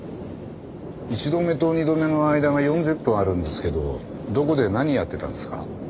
１度目と２度目の間が４０分あるんですけどどこで何やってたんですか？